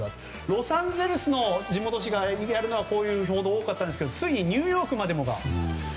ロサンゼルスの地元紙はこういう報道は多かったんですがついにニューヨークまでもが。